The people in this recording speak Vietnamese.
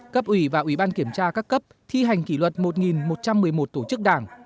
cấp ủy và ủy ban kiểm tra các cấp thi hành kỷ luật một một trăm một mươi một tổ chức đảng